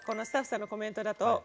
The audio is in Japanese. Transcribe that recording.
スタッフさんのコメントだと。